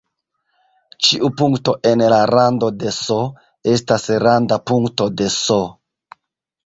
Ĉiu punkto en la rando de "S" estas randa punkto de "S".